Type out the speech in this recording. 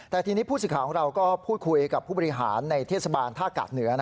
แต่ทีนี้ผู้สื่อข่าวของเราก็พูดคุยกับผู้บริหารในเทศบาลท่ากาศเหนือ